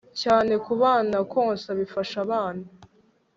cyane ku bana konsa bifasha abana